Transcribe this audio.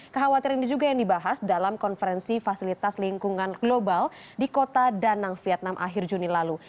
kekhawatiran ini juga yang dibahas dalam konferensi fasilitas lingkungan global di kota danang vietnam akhir juni lalu